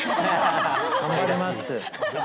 頑張ります。